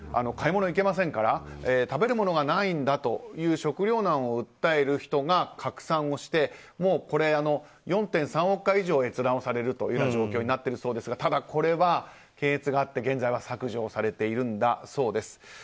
買い物に行けませんから食べる物がないんだと食料難を訴える人が拡散をしてもう、４．３億回以上閲覧されるという状況になっているそうですがただこれは検閲があって現在は削除されているそうです。